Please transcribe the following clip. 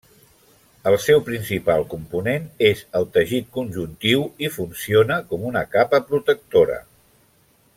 El seu principal component és el teixit conjuntiu i funciona com una capa protectora.